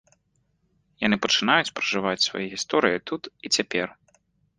Яны пачынаюць пражываць свае гісторыі тут і цяпер.